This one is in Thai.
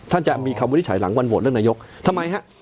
ท่านจะมีคำวิจัยหลังวันบวชเรื่องนายกทำไมฮะ